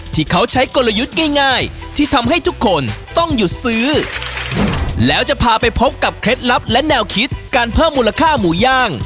ที่เขาใช้กลยุทธ์ง่ายที่ทำให้ทุกคนต้องหยุดซื้อแล้วจะพาไปพบกับเคล็ดลับและแนวคิดการเพิ่มมูลค่าหมูย่าง